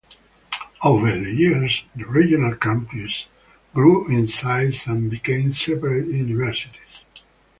Over the years, the regional campuses grew in size and became separate universities.